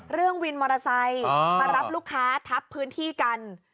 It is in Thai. วินมอเตอร์ไซค์มารับลูกค้าทับพื้นที่กัน